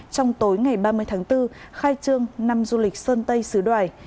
trong tối ngày ba mươi tháng bốn khai trương năm du lịch sơn tây xứ đoài